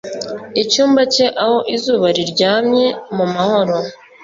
Icyumba cye aho izuba riryamye mu mahoro